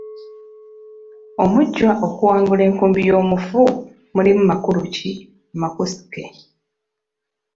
Omujjwa okuwangula enkumbi y’omufu mulimu makulu ki amakusike?